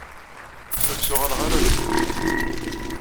Ur ttuɣaleɣ ara ɣer deffir.